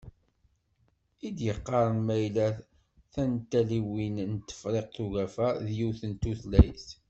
I d-yeqqaren ma yella tantaliwin n Tefriqt Ugafa d yiwet n tutlayt?